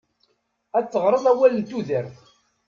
Ad teɣreḍ awal n tudert.